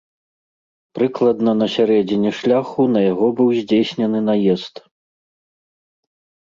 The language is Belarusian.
Прыкладна на сярэдзіне шляху на яго быў здзейснены наезд.